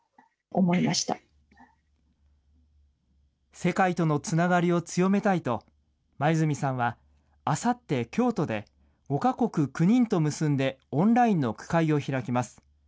世界とのつながりを強めたいと、黛さんはあさって、京都で５か国９人と結んでオンラインの句会を開きます。